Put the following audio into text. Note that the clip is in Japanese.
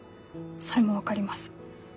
それも分かります。